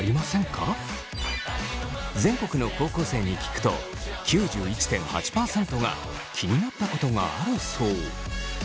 全国の高校生に聞くと９１．８％が気になったことがあるそう。